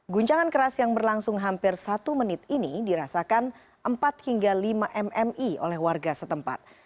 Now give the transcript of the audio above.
guncangan keras yang berlangsung hampir satu menit ini dirasakan empat hingga lima mmi oleh warga setempat